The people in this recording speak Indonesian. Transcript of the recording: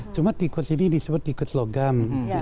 cuma tikus ini disebut tikus logam